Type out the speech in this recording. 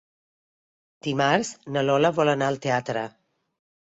Dimarts na Lola vol anar al teatre.